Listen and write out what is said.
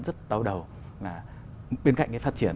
rất đau đầu là bên cạnh cái phát triển